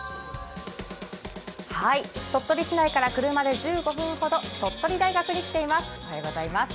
鳥取市内から車で１５分ほど、鳥取大学に来ています。